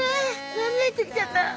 涙出てきちゃった。